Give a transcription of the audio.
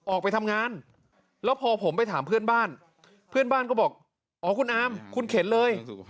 ออกไปทำงานแล้วพอผมไปถามเพื่อนบ้านเพื่อนบ้านก็บอกอ๋อคุณอามคุณเข็นเลย